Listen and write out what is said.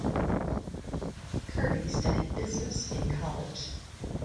Kirby studied business in college.